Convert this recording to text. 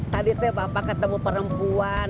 tadi tuh bapak ketemu perempuan